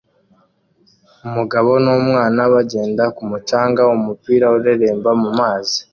Umugabo n'umwana bagenda ku mucanga umupira ureremba mumazi